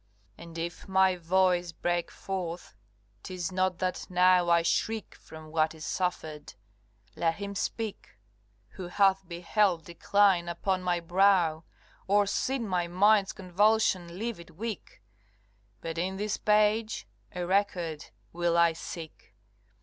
CXXXIV. And if my voice break forth, 'tis not that now I shrink from what is suffered: let him speak Who hath beheld decline upon my brow, Or seen my mind's convulsion leave it weak; But in this page a record will I seek.